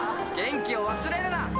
元気を忘れるな！